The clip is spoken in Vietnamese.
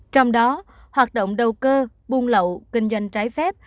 trong đó hoạt động đầu cơ buôn lậu kinh doanh trái phép